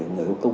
người có công